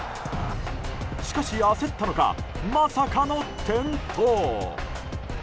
しかし、焦ったのかまさかの転倒。